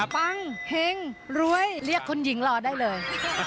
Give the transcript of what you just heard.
ปังเฮงรวยเรียกคุณหญิงรอได้เลย